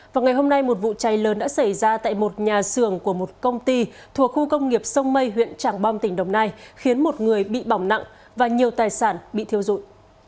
vào ngày hôm nay một vụ cháy lớn đã xảy ra tại một nhà xưởng của một công ty thuộc khu công nghiệp sông mây huyện tràng bom tỉnh đồng nai khiến một người bị bỏng nặng và nhiều tài sản bị thiêu dụi